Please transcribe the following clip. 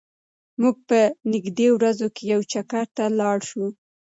موږ به په نږدې ورځو کې یو چکر ته لاړ شو.